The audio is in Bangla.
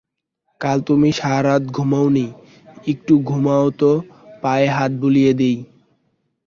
কাল তুমি সারারাত ঘুমোও নি, একটু ঘুমোও তো, পায়ে হাত বুলিয়ে দিই।